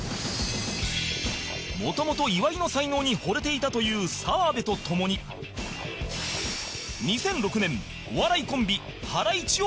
もともと岩井の才能に惚れていたという澤部とともに２００６年お笑いコンビハライチを結成